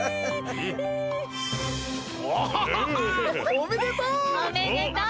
おおおめでとう！